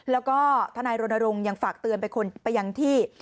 แล้วก็ทนายรณรงค์ยังฝากเตือนไปยังที่